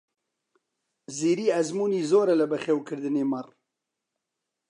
زیری ئەزموونی زۆرە لە بەخێوکردنی مەڕ.